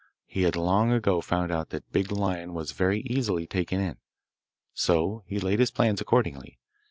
He had long ago found out that Big Lion was very easily taken in; so he laid his plans accordingly.